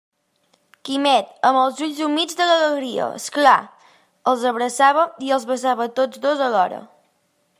Quimet, amb els ulls humits, de l'alegria, és clar!, els abraçava i els besava a tots dos alhora.